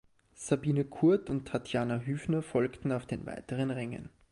Sabine Kurth und Tatjana Hüfner folgten auf den weiteren Rängen.